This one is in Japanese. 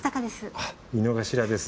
あっ井之頭です。